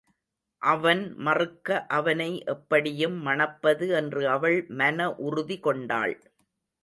அவன் மறுக்க அவனை எப்படியும் மணப்பது என்று அவள் மன உறுதி கொண்டாள்.